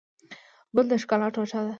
ګل د ښکلا ټوټه ده.